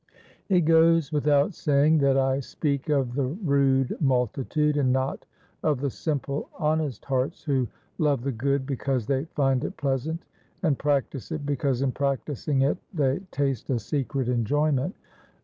"It goes without saying that I speak of the rude multitude, and not of the simple honest hearts who love the good because they find it pleasant, and practise it because in practising it they taste a secret enjoyment.